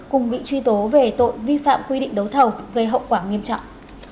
cùng bị truy tố về tội vi phạm quy định đấu thầu gây hậu quả nghiêm trọng